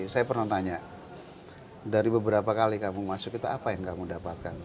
saya pernah tanya dari beberapa kali kamu masuk itu apa yang kamu dapatkan